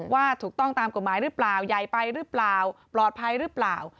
ว่าถูกต้องตามกฎหมายหรือเปล่าใหญ่ไปหรือเปล่าปลอดภัยหรือเปล่า